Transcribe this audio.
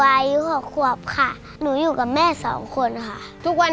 รายการต่อไปนี้เป็นรายการทั่วไปสามารถรับชมได้ทุกวัย